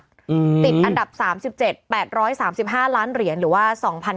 ติดอันดับ๓๗๘๓๕ล้านเหรียญหรือว่า๒๕๖๐